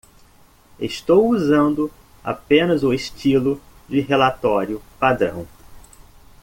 Estou usando apenas o estilo de relatório padrão.